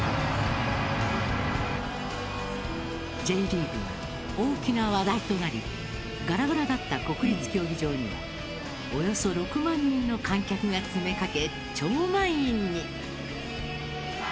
Ｊリーグは大きな話題となりガラガラだった国立競技場にはおよそ６万人の観客が詰めかけ超満員に。